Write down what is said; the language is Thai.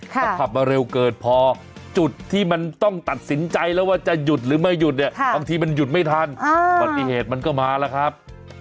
ถ้าขับมาเร็วเกิดพอจุดที่มันต้องตัดสินใจแล้วว่าจะหยุดหรือไม่หยุดเนี่ยบางทีมันหยุดไม่ทันอุบัติเหตุมันก็มาแล้วครับ